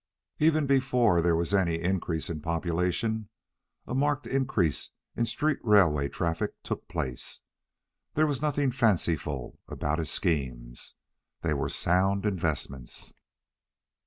Even before there was any increase in population, a marked increase in street railway traffic took place. There was nothing fanciful about his schemes. They were sound investments.